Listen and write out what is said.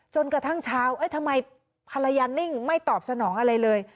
จนกระทั่งเช้าทำไมภรรยานิ่งไม่ตอบสนองอะไรเลย